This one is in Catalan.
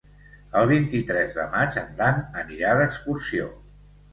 El vint-i-tres de maig en Dan anirà d'excursió.